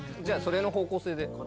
じゃあそれの方向性で。